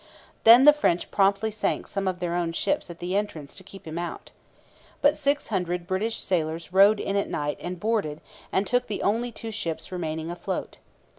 Then the French promptly sank some of their own ships at the entrance to keep him out. But six hundred British sailors rowed in at night and boarded and took the only two ships remaining afloat.